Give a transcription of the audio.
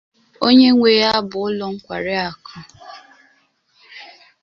onye nwe ya bụ ụlọ nkwariakụ